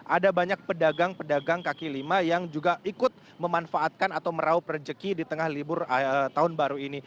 ada banyak pedagang pedagang kaki lima yang juga ikut memanfaatkan atau merauh perjeki di tengah libur tahun baru ini